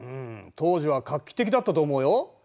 当時は画期的だったと思うよ。